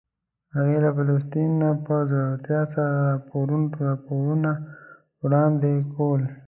هغې له فلسطین نه په زړورتیا سره راپورونه وړاندې کول.